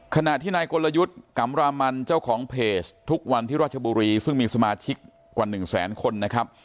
ขณะที่นายกลยุทธ์กำรามันเจ้าของเพจทุกวันที่ราชบุรีซึ่งมีสมาชิกกว่า๑แสนคนนะครับ